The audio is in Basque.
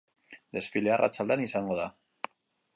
Desfilea arratsaldean izango da.